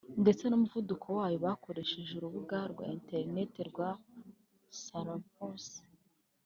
ndetse n’umuvuduko wayo bakoresheje urubuga rwa interinete rwa solarimpulse